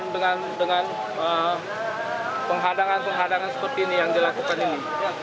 berat dengan penghadangan penghadangan seperti ini yang dilakukan ini